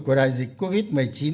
của đại dịch covid một mươi chín